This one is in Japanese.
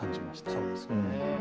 そうですよね。